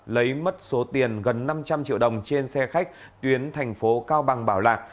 lấy mất số tiền gần năm trăm linh triệu đồng trên xe khách tuyến tp hcm bảo lạc